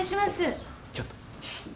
ちょっと。